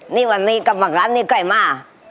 นี่วันนี้กำลังขับนี่ใกล้มา